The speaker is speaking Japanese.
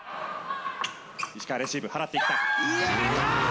石川、レシーブ放っていった。